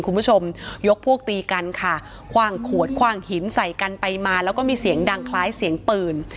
คุณผู้ชมยกพวกตีกันค่ะคว่างขวดคว่างหินใส่กันไปมาแล้วก็มีเสียงดังคล้ายเสียงปืน